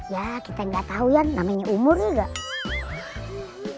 ya kita enggak tahu yan namanya umurnya enggak